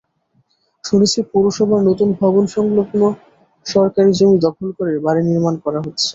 শুনেছি পৌরসভার নতুন ভবনসংলগ্ন সরকারি জমি দখল করে বাড়ি নির্মাণ করা হচ্ছে।